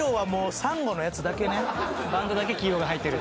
バンドだけ黄色が入ってると。